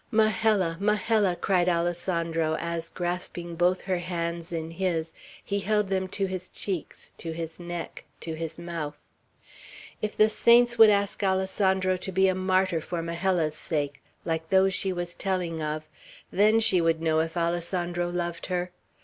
"Majella! Majella!" cried Alessandro, as, grasping both her hands in his, he held them to his cheeks, to his neck, to his mouth, "if the saints would ask Alessandro to be a martyr for Majella's sake, like those she was telling of, then she would know if Alessandro loved her!